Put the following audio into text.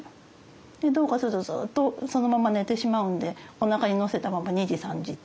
でどうかするとずっとそのまま寝てしまうんでおなかにのせたまま２時３時っていう。